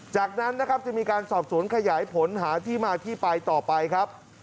จากนั้นนะครับจะมีการสอบสวนขยายผลหาที่มาที่ไปต่อไปครับ